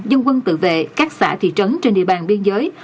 dân quân tự vệ các xã thị trấn trên địa bàn biên giới